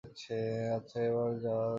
আচ্ছা, এবার যাওয়া যাক।